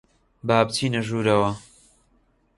با بچینە ژوورەوە.